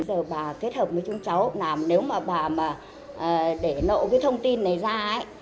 giờ bà kết hợp với chúng cháu làm nếu mà bà mà để nộ cái thông tin này ra ấy